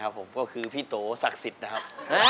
ผมก็คือพี่โตศักดิ์สิทธิ์นะครับ